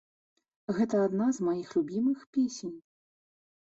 Гэта адна з маіх любімых песень.